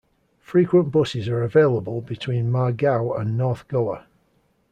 Frequent buses are available between Margao and North Goa.